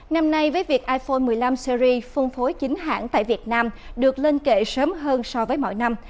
năm nay với việc iphone một mươi năm series phân phối chính hãng tại việt nam được lên kệ sớm hơn so với mọi năm